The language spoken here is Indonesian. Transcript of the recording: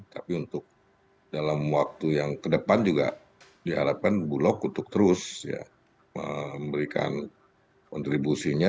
tapi untuk dalam waktu yang kedepan juga diharapkan bulog untuk terus memberikan kontribusinya